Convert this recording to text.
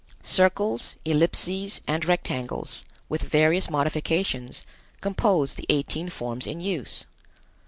Circles, ellipses and rectangles, with various modifications, compose the eighteen forms in use.